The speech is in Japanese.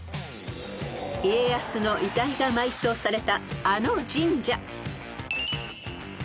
［家康の遺体が埋葬されたあの神社］